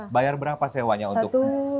bayar berapa sewanya untuk